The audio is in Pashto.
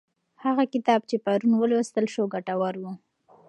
هغه کتاب چې پرون ولوستل شو ګټور و.